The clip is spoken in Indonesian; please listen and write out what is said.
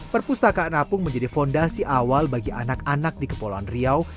perpustakaan apung menjadi fondasi awal bagi anak anak di kepulauan riau